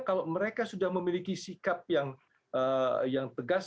kalau mereka sudah memiliki sikap yang tegas